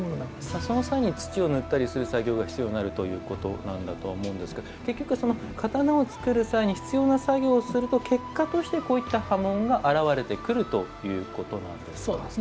その際に土を塗ったりする作業が必要になるんだと思いますが結局、刀を作る際に必要な作業をすると結果としてこういった刃文が現れてくるということなんですね。